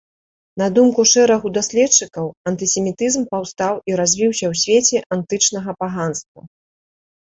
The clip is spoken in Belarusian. На думку шэрагу даследчыкаў, антысемітызм паўстаў і развіўся ў свеце антычнага паганства.